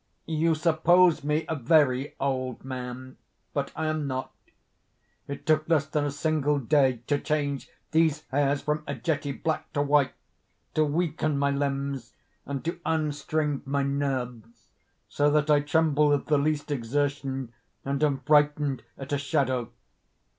You suppose me a very old man—but I am not. It took less than a single day to change these hairs from a jetty black to white, to weaken my limbs, and to unstring my nerves, so that I tremble at the least exertion, and am frightened at a shadow.